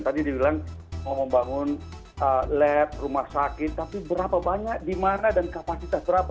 tadi dibilang mau membangun lab rumah sakit tapi berapa banyak di mana dan kapasitas berapa